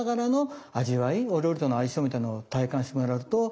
お料理との相性みたいなのを体感してもらうと。